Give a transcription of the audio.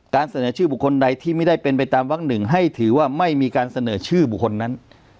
เสนอชื่อบุคคลใดที่ไม่ได้เป็นไปตามวักหนึ่งให้ถือว่าไม่มีการเสนอชื่อบุคคลนั้น